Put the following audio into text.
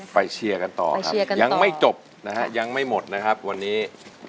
ไปเชียร์กันต่อยังไม่จบนะครับยังไม่หมดนะครับวันนี้